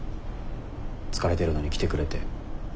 疲れてるのに来てくれて。